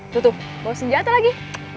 tuh tuh bawa senjata lagi